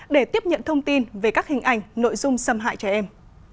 để tiếp nhận thông tin về các hình ảnh nội dung xâm hại trẻ em